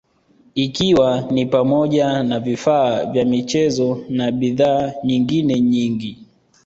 ikiwa ni pamoja na vifaa vya michezo na bidhaa nyengine nyingi